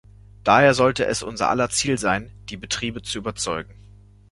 Daher sollte es unser aller Ziel sein, die Betriebe zu überzeugen.